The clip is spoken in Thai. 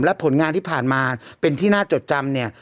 และผลงานที่ผ่านมาเป็นที่น่าจดจำเนี่ย